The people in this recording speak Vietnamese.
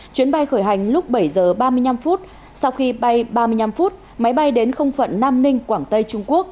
chuyến bay khởi hành lúc bảy giờ ba mươi năm phút sau khi bay ba mươi năm phút máy bay đến không phận nam ninh quảng tây trung quốc